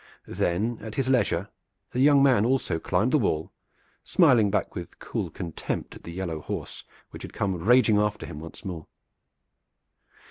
Then, at his leisure, the young man also climbed the wall, smiling back with cool contempt at the yellow horse, which had come raging after him once more.